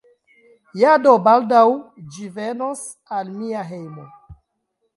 Ja, do, baldaŭ ĝi venos al mia hejmo